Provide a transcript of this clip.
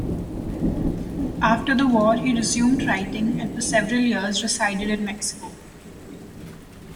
After the war he resumed writing, and for several years resided in Mexico.